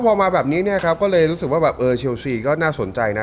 พอมาแบบนี้ก็เลยรู้สึกว่าชิลซีน่าสนใจนะ